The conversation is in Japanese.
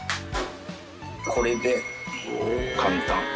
これで簡単。